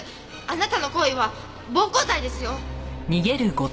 あなたの行為は暴行罪ですよ！